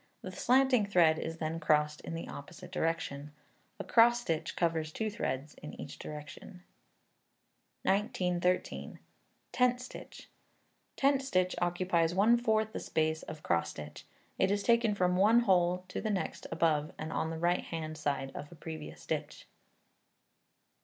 The slanting thread is then crossed in the opposite direction. A cross stitch covers two threads in each direction. 1913. Tent Stitch. Tent stitch occupies one fourth the space of cross stitch. It is taken from one hole to the next above, and on the right hand side of a previous stitch.